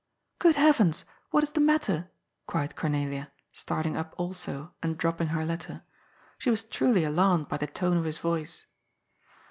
" Good Heavens, what is the matter?" cried Cornelia, starting up also and dropping her letter. She was truly alarmed by the tone of his voice.